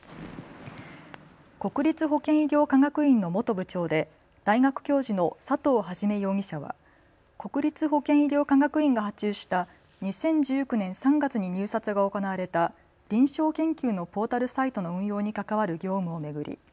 国立保健医療科学院の元部長で大学教授の佐藤元容疑者は国立保健医療科学院が発注した２０１９年３月に入札が行われた臨床研究のポータルサイトの運用に関わる業務を巡り